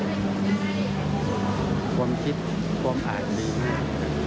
ความคิดความอ่านดีมาก